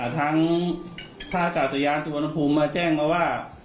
ทางท่ากาศยานสุวรรณภูมิมาแจ้งมาว่า